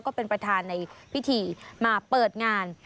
ก็เป็นประธานในพิธีมาเปิดงาน